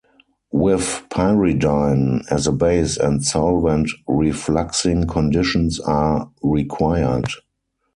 With pyridine as a base and solvent, refluxing conditions are required.